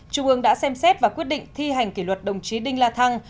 trung ương đã xem xét và quyết định thi hành kỷ luật đồng chí đinh la thăng